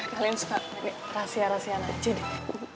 kalian suka rahasia rahasia nanti deh